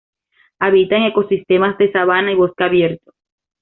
Habita en ecosistemas de sabana y bosque abierto.